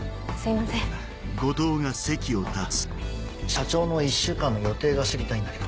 社長の一週間の予定が知りたいんだけど。